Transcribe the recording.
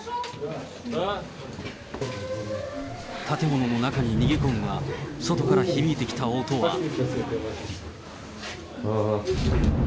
建物の中に逃げ込むが、外から響いてきた音は。